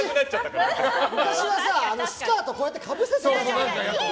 昔はスカートをかぶせてたじゃない。